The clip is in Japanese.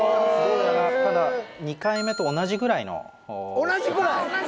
ただ２回目と同じぐらいの同じぐらい！？